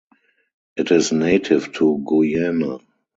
It is native to Guyana.